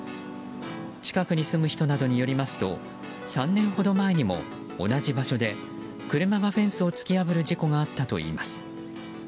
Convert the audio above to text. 近くに住む人などによりますと３年ほど前にも同じ場所で車がフェンスを突き破る事故があったといいます。